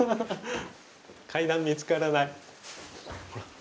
階段見つからない？